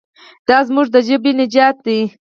دا زموږ د ژبې نجات دی.